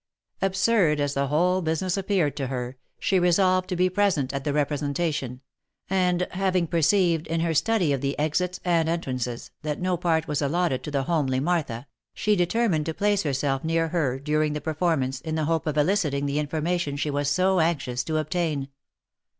OF MICHAEL ARMSTRONG. 99 Absurd as the whole business appeared to her, she resolved to be present at the representation ; and having perceived, in her study of the exits and entrances, that no part was allotted to the homely Martha, she determined to place herself near her during the per formance, in the hope of eliciting the information she was so anxious to obtain.